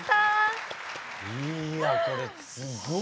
いやこれすごい。